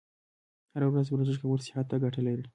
هره ورځ ورزش کول صحت ته ګټه لري.